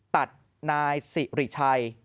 ตัดนายสิริชัย